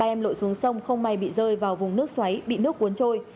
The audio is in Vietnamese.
ba em lội xuống sông không may bị rơi vào vùng nước xoáy bị nước cuốn trôi